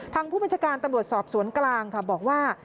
ทางผู้บัญชาการตำรวจสอบสวนกลางค่ะบอกว่า